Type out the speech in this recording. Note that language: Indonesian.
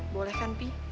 boleh kan pi